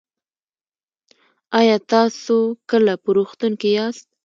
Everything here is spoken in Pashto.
ایا تاسو کله په روغتون کې یاست؟